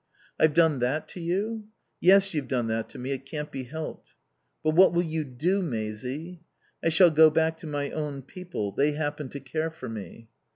"I've done that to you?" "Yes, you've done that to me. It can't be helped." "But, what will you do, Maisie?" "I shall go back to my own people. They happen to care for me."